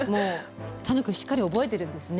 楽くんしっかり覚えてるんですね。